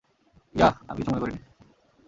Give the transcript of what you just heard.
Yeah, আমি কিছু মনে করিনি।